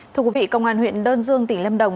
thưa quý vị công an huyện đơn dương tỉnh lâm đồng